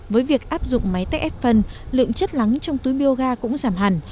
với việc áp dụng máy tách ép phân lượng chất lắng trong túi bioga cũng giảm hẳn